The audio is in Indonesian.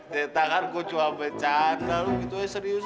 zeta kan gue cuma bercanda lu gitu aja serius